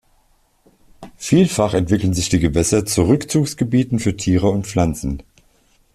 Vielfach entwickeln sich die Gewässer zu Rückzugsgebieten für Tiere und Pflanzen.